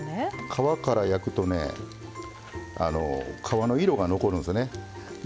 皮から焼くと皮の色が残るんですよね。